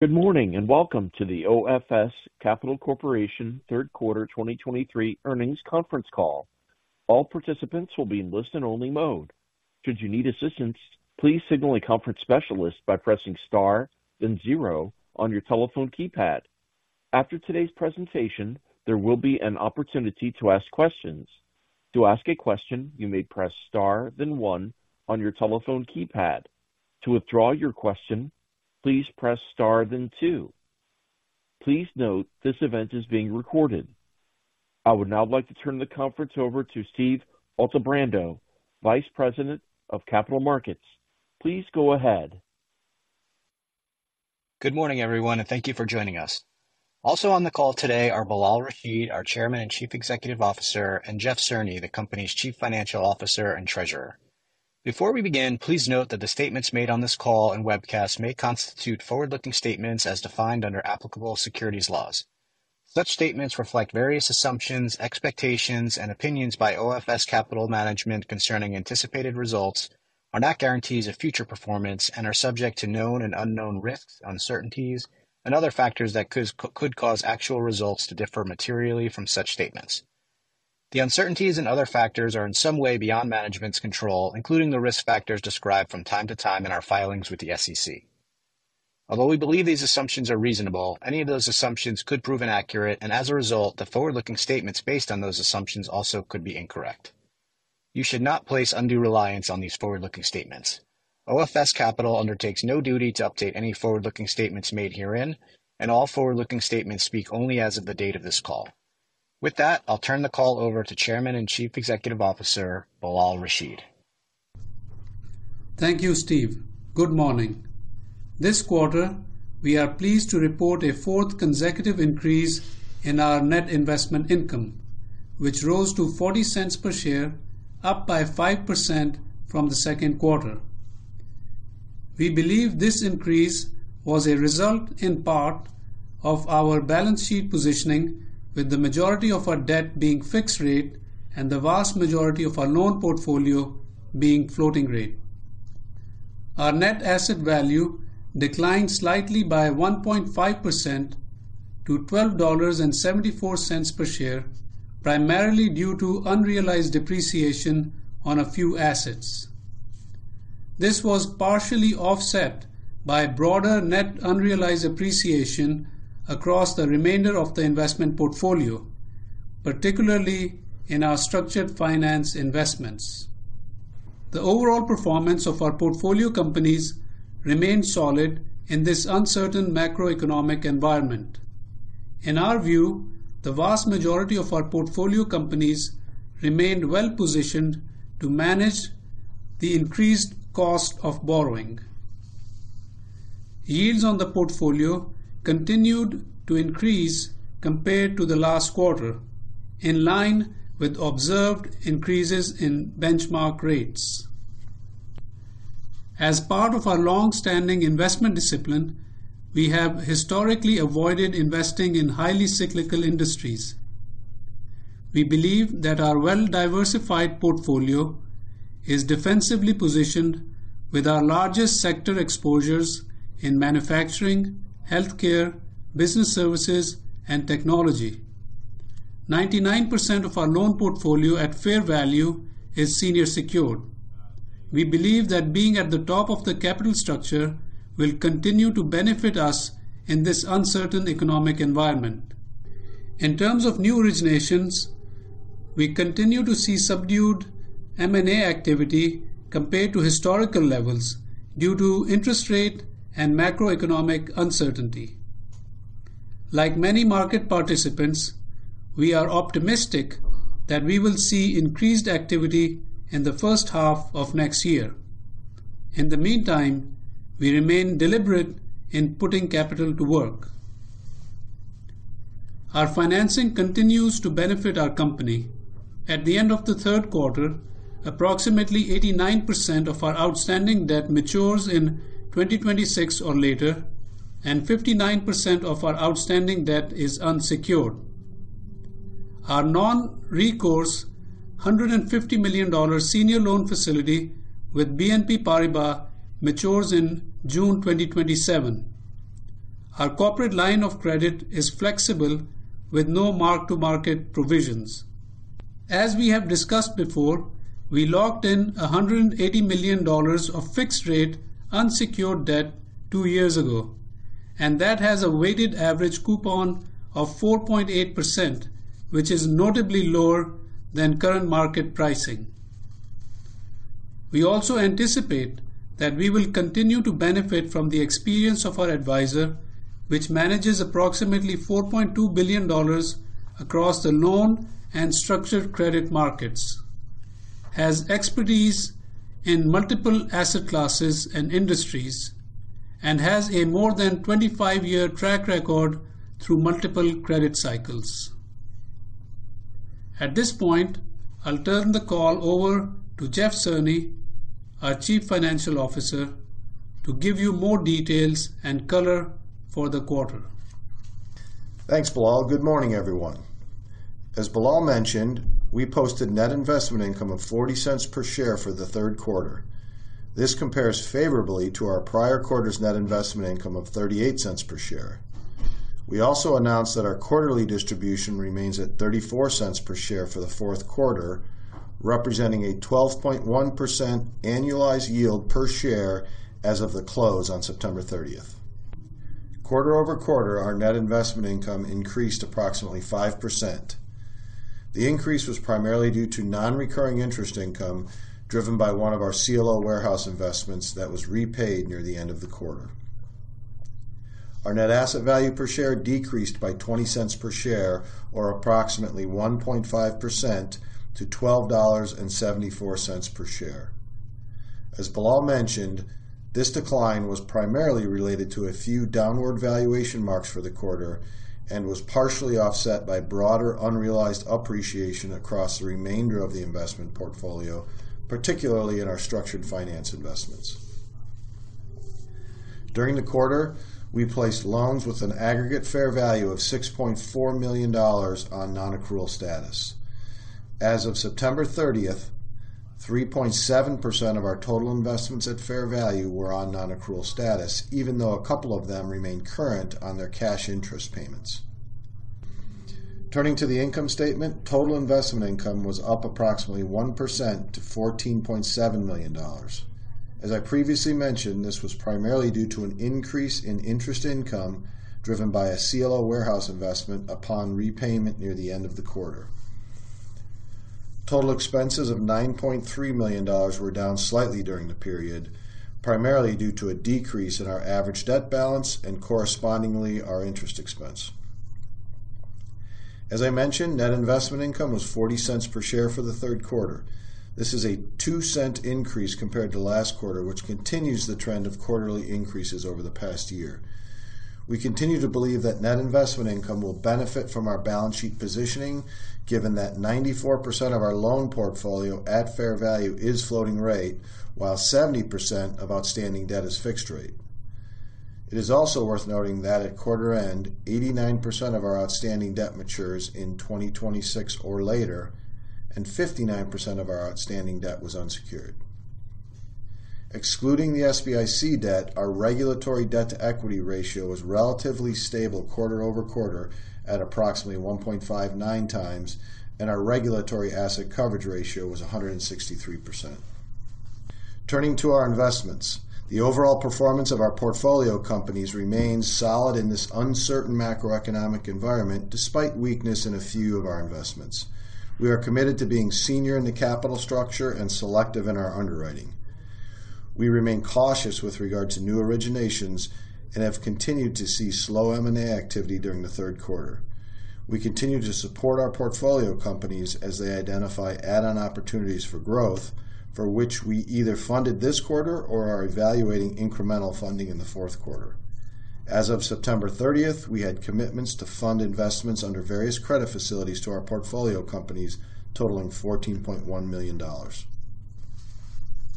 Good morning, and welcome to the OFS Capital Corporation third quarter 2023 earnings conference call. All participants will be in listen-only mode. Should you need assistance, please signal a conference specialist by pressing star, then zero on your telephone keypad. After today's presentation, there will be an opportunity to ask questions. To ask a question, you may press star then one on your telephone keypad. To withdraw your question, please press star, then two. Please note, this event is being recorded. I would now like to turn the conference over to Steve Altebrando, Vice President of Capital Markets. Please go ahead. Good morning, everyone, and thank you for joining us. Also on the call today are Bilal Rashid, our Chairman and Chief Executive Officer, and Jeff Cerny, the company's Chief Financial Officer and Treasurer. Before we begin, please note that the statements made on this call and webcast may constitute forward-looking statements as defined under applicable securities laws. Such statements reflect various assumptions, expectations, and opinions by OFS Capital Management concerning anticipated results, are not guarantees of future performance, and are subject to known and unknown risks, uncertainties, and other factors that could cause actual results to differ materially from such statements. The uncertainties and other factors are in some way beyond management's control, including the risk factors described from time to time in our filings with the SEC. Although we believe these assumptions are reasonable, any of those assumptions could prove inaccurate, and as a result, the forward-looking statements based on those assumptions also could be incorrect. You should not place undue reliance on these forward-looking statements. OFS Capital undertakes no duty to update any forward-looking statements made herein, and all forward-looking statements speak only as of the date of this call. With that, I'll turn the call over to Chairman and Chief Executive Officer, Bilal Rashid. Thank you, Steve. Good morning. This quarter, we are pleased to report a fourth consecutive increase in our net investment income, which rose to $0.40 per share, up by 5% from the second quarter. We believe this increase was a result, in part, of our balance sheet positioning, with the majority of our debt being fixed rate and the vast majority of our loan portfolio being floating rate. Our net asset value declined slightly by 1.5% to $12.74 per share, primarily due to unrealized depreciation on a few assets. This was partially offset by broader net unrealized appreciation across the remainder of the investment portfolio, particularly in our structured finance investments. The overall performance of our portfolio companies remained solid in this uncertain macroeconomic environment. In our view, the vast majority of our portfolio companies remained well-positioned to manage the increased cost of borrowing. Yields on the portfolio continued to increase compared to the last quarter, in line with observed increases in benchmark rates. As part of our long-standing investment discipline, we have historically avoided investing in highly cyclical industries. We believe that our well-diversified portfolio is defensively positioned with our largest sector exposures in manufacturing, healthcare, business services, and technology. 99% of our loan portfolio at fair value is senior secured. We believe that being at the top of the capital structure will continue to benefit us in this uncertain economic environment. In terms of new originations, we continue to see subdued M&A activity compared to historical levels due to interest rate and macroeconomic uncertainty. Like many market participants, we are optimistic that we will see increased activity in the first half of next year. In the meantime, we remain deliberate in putting capital to work. Our financing continues to benefit our company. At the end of the third quarter, approximately 89% of our outstanding debt matures in 2026 or later, and 59% of our outstanding debt is unsecured. Our non-recourse, $150 million senior loan facility with BNP Paribas matures in June 2027. Our corporate line of credit is flexible, with no mark-to-market provisions. As we have discussed before, we locked in $180 million of fixed-rate unsecured debt two years ago, and that has a weighted average coupon of 4.8%, which is notably lower than current market pricing. We also anticipate that we will continue to benefit from the experience of our advisor, which manages approximately $4.2 billion across the loan and structured credit markets, has expertise in multiple asset classes and industries, and has a more than 25-year track record through multiple credit cycles. At this point, I'll turn the call over to Jeff Cerny, our Chief Financial Officer, to give you more details and color for the quarter. Thanks, Bilal. Good morning, everyone. As Bilal mentioned, we posted net investment income of $0.40 per share for the third quarter. This compares favorably to our prior quarter's net investment income of $0.38 per share. We also announced that our quarterly distribution remains at $0.34 per share for the fourth quarter, representing a 12.1% annualized yield per share as of the close on September 30th. Quarter-over-quarter, our net investment income increased approximately 5%. The increase was primarily due to non-recurring interest income, driven by one of our CLO warehouse investments that was repaid near the end of the quarter. Our net asset value per share decreased by $0.20 per share, or approximately 1.5% to $12.74 per share. As Bilal mentioned, this decline was primarily related to a few downward valuation marks for the quarter and was partially offset by broader unrealized appreciation across the remainder of the investment portfolio, particularly in our structured finance investments. During the quarter, we placed loans with an aggregate fair value of $6.4 million on non-accrual status. As of September 30th, 3.7% of our total investments at fair value were on non-accrual status, even though a couple of them remained current on their cash interest payments. Turning to the income statement, total investment income was up approximately 1% to $14.7 million. As I previously mentioned, this was primarily due to an increase in interest income driven by a CLO warehouse investment upon repayment near the end of the quarter. Total expenses of $9.3 million were down slightly during the period, primarily due to a decrease in our average debt balance and correspondingly, our interest expense. As I mentioned, net investment income was $0.40 per share for the third quarter. This is a $0.02 increase compared to last quarter, which continues the trend of quarterly increases over the past year. We continue to believe that net investment income will benefit from our balance sheet positioning, given that 94% of our loan portfolio at fair value is floating rate, while 70% of outstanding debt is fixed rate. It is also worth noting that at quarter end, 89% of our outstanding debt matures in 2026 or later, and 59% of our outstanding debt was unsecured. Excluding the SBIC debt, our regulatory debt-to-equity ratio was relatively stable quarter-over-quarter at approximately 1.59x, and our regulatory asset coverage ratio was 163%. Turning to our investments, the overall performance of our portfolio companies remains solid in this uncertain macroeconomic environment, despite weakness in a few of our investments. We are committed to being senior in the capital structure and selective in our underwriting. We remain cautious with regard to new originations and have continued to see slow M&A activity during the third quarter. We continue to support our portfolio companies as they identify add-on opportunities for growth, for which we either funded this quarter or are evaluating incremental funding in the fourth quarter. As of September 30th, we had commitments to fund investments under various credit facilities to our portfolio companies, totaling $14.1 million.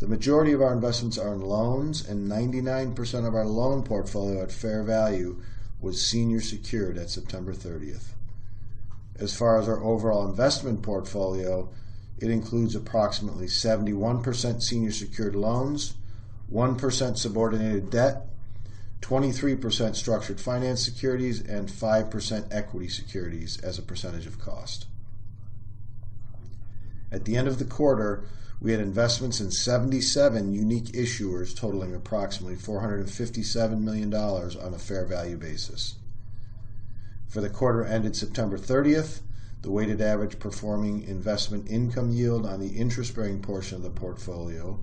The majority of our investments are in loans, and 99% of our loan portfolio at fair value was senior secured at September 30th. As far as our overall investment portfolio, it includes approximately 71% senior secured loans, 1% subordinated debt, 23% structured finance securities, and 5% equity securities as a percentage of cost. At the end of the quarter, we had investments in 77 unique issuers, totaling approximately $457 million on a fair value basis. For the quarter ended September 30th, the weighted average performing investment income yield on the interest-bearing portion of the portfolio,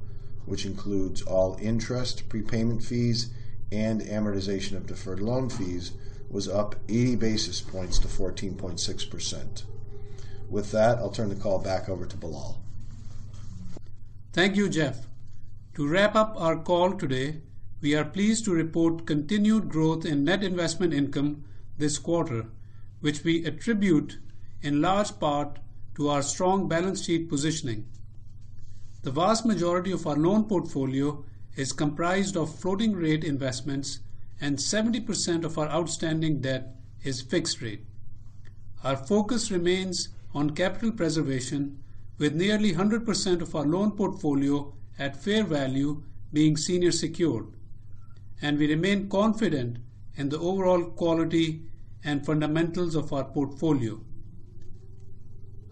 which includes all interest, prepayment fees, and amortization of deferred loan fees, was up 80 basis points to 14.6%. With that, I'll turn the call back over to Bilal. Thank you, Jeff. To wrap up our call today, we are pleased to report continued growth in net investment income this quarter, which we attribute in large part to our strong balance sheet positioning. The vast majority of our loan portfolio is comprised of floating rate investments, and 70% of our outstanding debt is fixed rate. Our focus remains on capital preservation, with nearly 100% of our loan portfolio at fair value being senior secured, and we remain confident in the overall quality and fundamentals of our portfolio.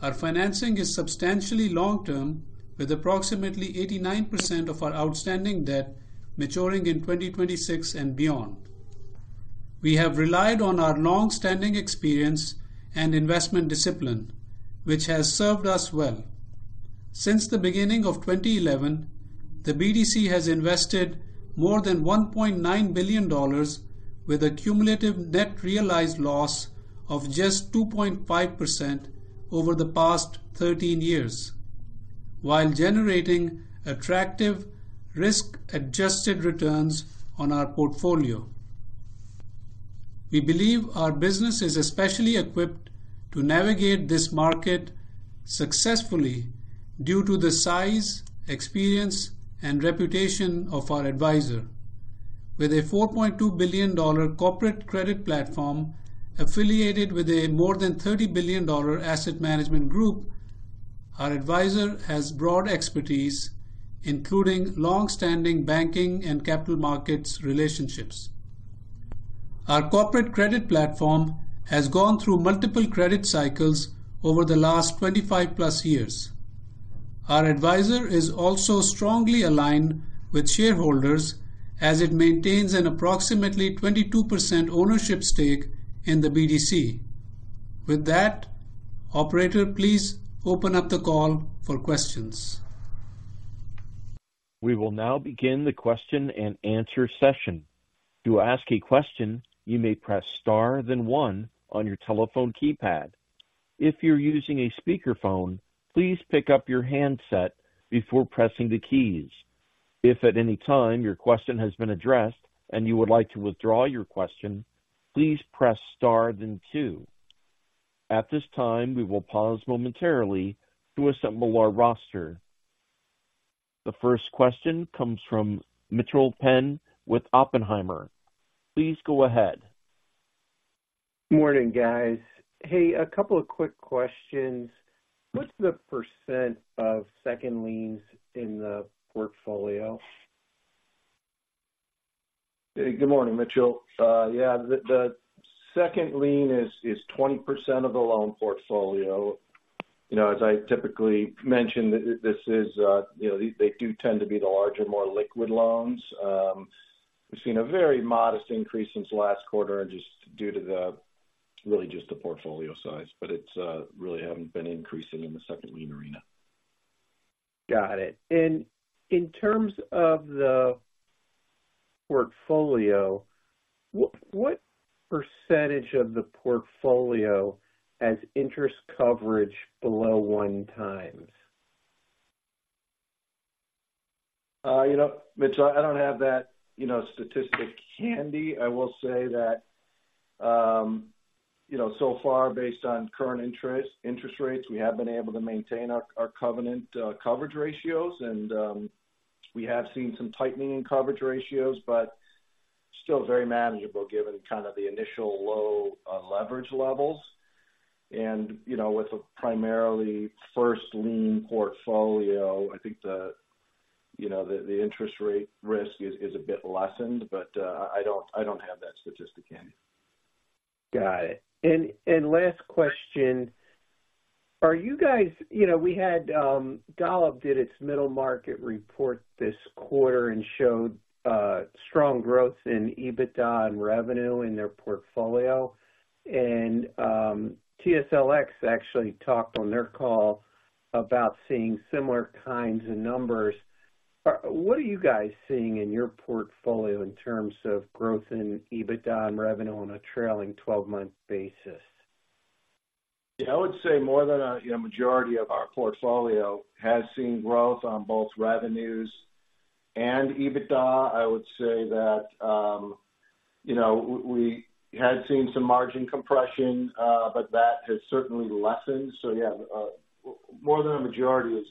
Our financing is substantially long-term, with approximately 89% of our outstanding debt maturing in 2026 and beyond. We have relied on our long-standing experience and investment discipline, which has served us well. Since the beginning of 2011, the BDC has invested more than $1.9 billion, with a cumulative net realized loss of just 2.5% over the past 13 years, while generating attractive risk-adjusted returns on our portfolio. We believe our business is especially equipped to navigate this market successfully due to the size, experience, and reputation of our advisor. With a $4.2 billion corporate credit platform affiliated with a more than $30 billion asset management group, our advisor has broad expertise, including long-standing banking and capital markets relationships. Our corporate credit platform has gone through multiple credit cycles over the last 25+ years. Our advisor is also strongly aligned with shareholders as it maintains an approximately 22% ownership stake in the BDC. With that, operator, please open up the call for questions. We will now begin the question-and-answer session. To ask a question, you may press star, then one on your telephone keypad. If you're using a speakerphone, please pick up your handset before pressing the keys. If at any time your question has been addressed and you would like to withdraw your question, please press star, then two. At this time, we will pause momentarily to assemble our roster. The first question comes from Mitchel Penn with Oppenheimer. Please go ahead. Morning, guys. Hey, a couple of quick questions. What's the percent of second liens in the portfolio? Good morning, Mitchel. Yeah, the second lien is 20% of the loan portfolio. You know, as I typically mention, this is, you know, they do tend to be the larger, more liquid loans. We've seen a very modest increase since last quarter, just due to really just the portfolio size, but it's really haven't been increasing in the second lien arena. Got it. And in terms of the portfolio, what percentage of the portfolio has interest coverage below 1x? You know, Mitchel, I don't have that, you know, statistic handy. I will say that, you know, so far, based on current interest, interest rates, we have been able to maintain our, our covenant, coverage ratios, and, we have seen some tightening in coverage ratios, but still very manageable given kind of the initial low, leverage levels. And, you know, with a primarily first lien portfolio, I think the, you know, the, the interest rate risk is, is a bit lessened, but, I don't, I don't have that statistic handy. Got it. And last question: Are you guys—you know, we had Golub did its middle market report this quarter and showed strong growth in EBITDA and revenue in their portfolio. And TSLX actually talked on their call about seeing similar kinds of numbers. What are you guys seeing in your portfolio in terms of growth in EBITDA and revenue on a trailing 12-month basis? Yeah, I would say more than a, you know, majority of our portfolio has seen growth on both revenues and EBITDA. I would say that, you know, we had seen some margin compression, but that has certainly lessened. So, yeah, more than a majority is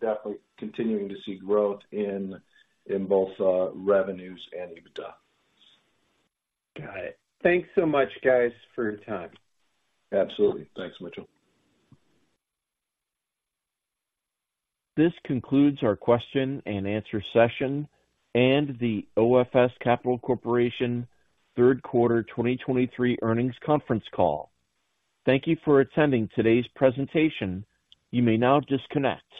definitely continuing to see growth in both revenues and EBITDA. Got it. Thanks so much, guys, for your time. Absolutely. Thanks, Mitchel. This concludes our question-and-answer session and the OFS Capital Corporation third quarter 2023 earnings conference call. Thank you for attending today's presentation. You may now disconnect.